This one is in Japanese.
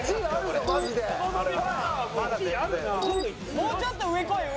もうちょっと上こい上。